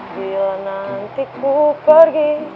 bila nanti ku pergi